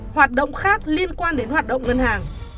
hoạt động khác liên quan đến hoạt động ngân hàng